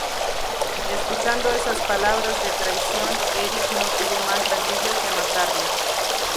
Escuchando esas palabras de traición, Erik no tuvo más remedio que matarle.